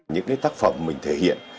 những cái tác phẩm mình thể hiện